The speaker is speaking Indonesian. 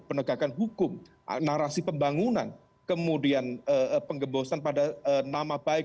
penegakan hukum narasi pembangunan kemudian pengebosan pada nama baik